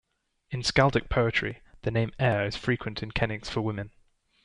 In skaldic poetry, the name Eir is frequent in kennings for women.